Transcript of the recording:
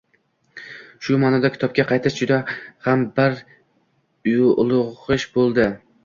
Shu maʼnoda kitobga qaytish juda ham bir ulugʻ ish boʻldi.